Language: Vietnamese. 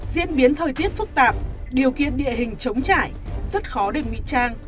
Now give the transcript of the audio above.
diễn biến thời tiết phức tạp điều kiện địa hình chống chảy rất khó để nguy trang